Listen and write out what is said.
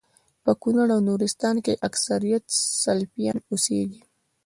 په کونړ او نورستان کي اکثريت سلفيان اوسيږي